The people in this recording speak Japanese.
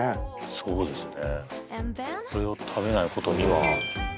そうですね